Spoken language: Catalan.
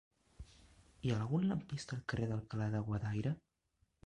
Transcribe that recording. Hi ha algun lampista al carrer d'Alcalá de Guadaira?